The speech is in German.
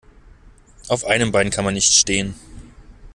Auf einem Bein kann man nicht stehen.